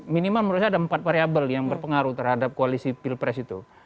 minimal menurut saya ada empat variable yang berpengaruh terhadap koalisi pilpres itu